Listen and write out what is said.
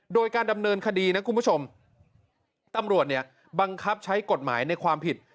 โดยการดำเนินคดีนะคุณผู้ชมตำรวจเนี่ยบังคับใช้กฎหมายในความผิด